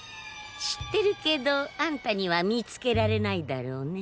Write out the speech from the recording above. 知ってるけどあんたには見つけられないだろうね。